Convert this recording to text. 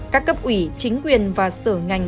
các cấp ủy chính quyền và sở ngành